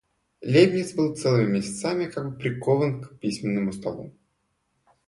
Лейбниц был целыми месяцами как бы прикован к письменному столу.